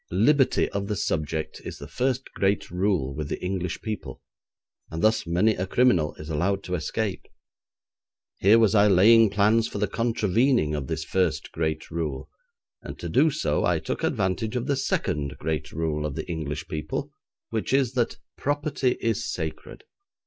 Liberty of the subject is the first great rule with the English people, and thus many a criminal is allowed to escape. Here was I laying plans for the contravening of this first great rule, and to do so I took advantage of the second great rule of the English people, which is, that property is sacred.